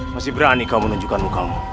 masih berani kau menunjukkan muka mu